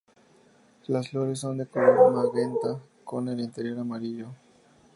Las flores son de color magenta con el interior amarillo.